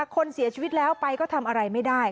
คนเสียชีวิตแล้วไปก็ทำอะไรไม่ได้